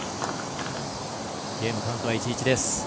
ゲームカウント１−１です。